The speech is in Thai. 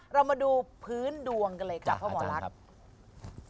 เรามาดูพื้นดวงกันเลยกับพ่อหมอลักษณ์